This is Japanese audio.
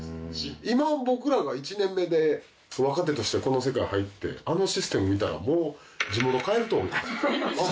今僕らが１年目で若手としてこの世界入ってあのシステム見たらもう地元帰ると思います。